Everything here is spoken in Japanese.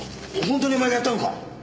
本当にお前がやったのか？